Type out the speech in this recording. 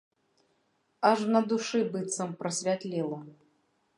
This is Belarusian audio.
Аж на душы быццам прасвятлела.